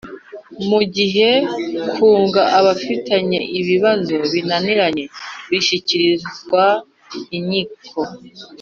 Mu gihe kunga abafitanye ibibazo binaniranye bishyikirizwa inyiko